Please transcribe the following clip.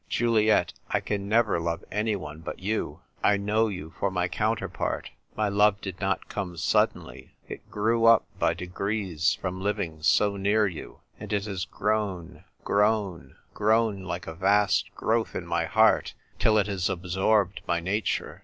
"Juliet, I can never love anyone but you. I know you for my counterpart. My love did not come suddenly ; it grew up by degrees from living so near you ; and it has grown, grown, grown, like a vast growth in my heart, till it has absorbed my nature.